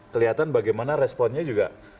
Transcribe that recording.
kelihatan bagaimana responnya juga